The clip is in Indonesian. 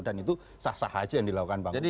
dan itu sah sah aja yang dilakukan bang ubed